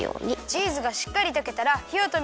チーズがしっかりとけたらひをとめるよ。